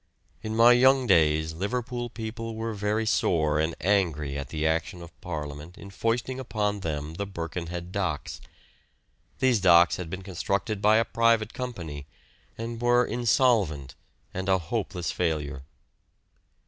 In my young days Liverpool people were very sore and angry at the action of Parliament in foisting upon them the Birkenhead docks. These docks had been constructed by a private company, and were insolvent and a hopeless failure.